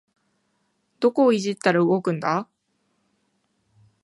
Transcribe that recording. どこをいじったら動くんだ